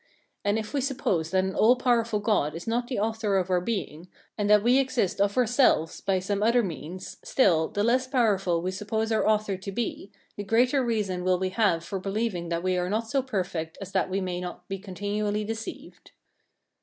And if we suppose that an all powerful God is not the author of our being, and that we exist of ourselves or by some other means, still, the less powerful we suppose our author to be, the greater reason will we have for believing that we are not so perfect as that we may not be continually deceived.